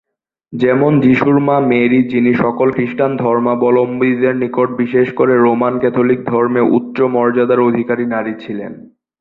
যেমন যীশুর মা মেরি যিনি সকল খ্রিস্টান ধর্মাবলম্বীদের নিকট বিশেষ করে রোমান ক্যাথলিক ধর্মে উচ্চ মর্যাদার অধিকারী নারী ছিলেন।